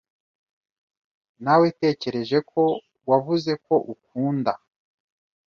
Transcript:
Nawetekereje ko wavuze ko ukunda .